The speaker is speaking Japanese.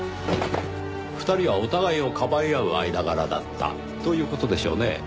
２人はお互いをかばい合う間柄だったという事でしょうね。